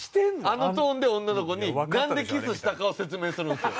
あのトーンで女の子になんでキスしたかを説明するんですよ。